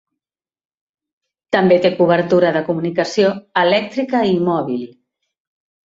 També té cobertura de comunicació elèctrica i mòbil.